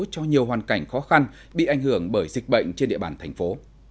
cho nhiều hoàn cảnh khó khăn bị ảnh hưởng bởi dịch bệnh trên địa bàn thành phố